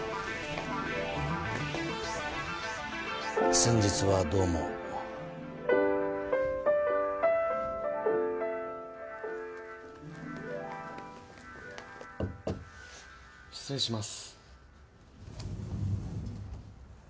先日はどうも失礼します